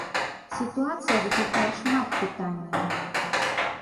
Сітуацыя выклікае шмат пытанняў.